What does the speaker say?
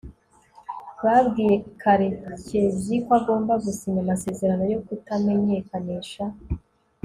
babwiye karekezi ko agomba gusinya amasezerano yo kutamenyekanisha